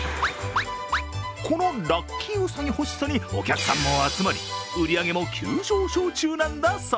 このラッキーうさぎ欲しさにお客さんも集まり、売り上げも急上昇中なんだそう。